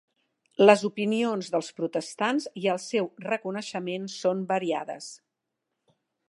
Les opinions dels protestants i el seu reconeixement són variades.